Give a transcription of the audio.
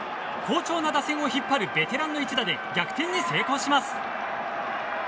好調な打線を引っ張るベテランの一打で逆転に成功します。